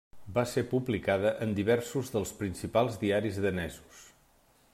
Va ser publicada en diversos dels principals diaris danesos.